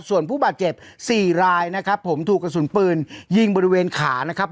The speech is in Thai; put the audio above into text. ส่วนผู้บาดเจ็บ๔รายนะครับผมถูกกระสุนปืนยิงบริเวณขานะครับ